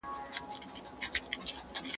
¬ مه کوه په چا، چي و به سي په تا.